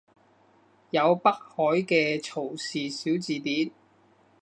有北海嘅曹氏小字典